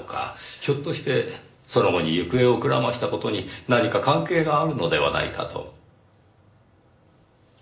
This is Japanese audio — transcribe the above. ひょっとしてその後に行方をくらました事に何か関係があるのではないかと。